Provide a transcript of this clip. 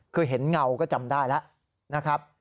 คือเห็นเงาก็จำได้แล้วนะครับ